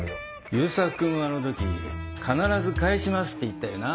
悠作君はあの時「必ず返します」って言ったよな？